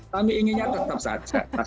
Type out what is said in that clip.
kami inginnya tetap saja